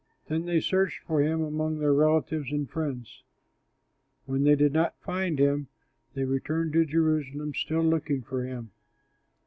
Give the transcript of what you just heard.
Then they searched for him among their relatives and friends. When they did not find him, they returned to Jerusalem, still looking for him.